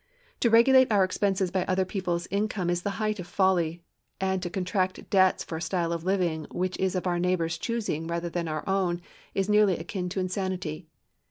To regulate our expenses by other people's income is the height of folly, and to contract debts for a style of living which is of our neighbor's choosing rather than our own is nearly akin to insanity.